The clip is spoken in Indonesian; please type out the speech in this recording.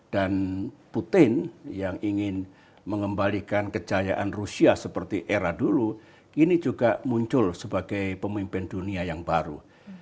dan putin yang ingin mengembalikan kejayaan rusia seperti era dulu ini juga muncul sebagai pemimpin dunia yang baru